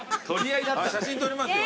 写真撮りますよ。